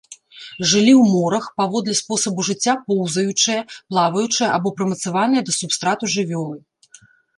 Жылі ў морах, паводле спосабу жыцця поўзаючыя, плаваючыя або прымацаваныя да субстрату жывёлы.